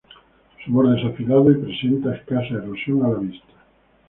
Su borde es afilado y presenta escasa erosión a la vista.